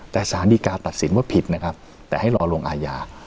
แต่สารดีกาตัดสินว่าผิดนะครับแต่ให้รอลงอาญา